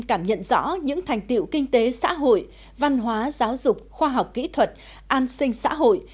cảm nhận rõ những thành tiệu kinh tế xã hội văn hóa giáo dục khoa học kỹ thuật an sinh xã hội